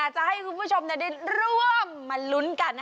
ทุกผู้ชมได้ร่วมมาลุ้นกัน